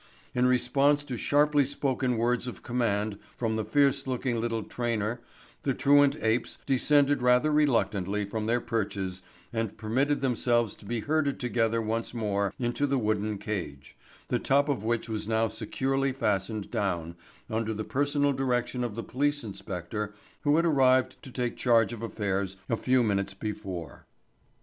In response to sharply spoken words of command from the fierce looking little trainer the truant apes descended rather reluctantly from their perches and permitted themselves to be herded together once more into the wooden cage, the top of which was now securely fastened down under the personal direction of the police inspector who had arrived to take charge of affairs a few minutes before.